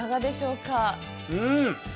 うん！